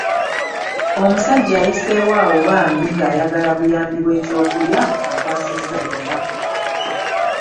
Omusajja ayiseewo awo bambi ng'ayagala buyambi bw'ekyokulya ankwasizza ennaku.